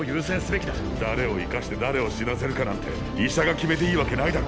誰を生かして誰を死なせるかなんて医者が決めていいわけないだろ。